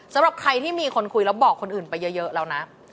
สำหรับใครที่มีคนคุยแล้วบอกคนอื่นไปเยอะแล้วนะ